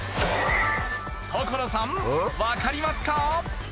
所さんわかりますか？